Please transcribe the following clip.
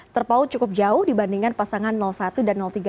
terpaut cukup jauh dibandingkan pasangan satu dan tiga